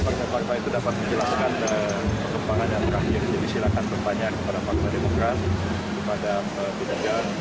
pertanyaan yang terakhir silakan pembahas kepada pan demokrat dan p tiga